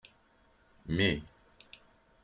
Mmi.